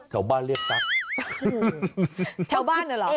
เช้าบ้านเรียกซับ